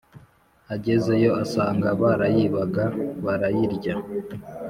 Agezeyo asanga barayibaga barayirya